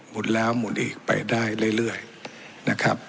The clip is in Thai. หมุนแล้วหมุนอีกไปได้เรื่อยเรื่อยนะครับ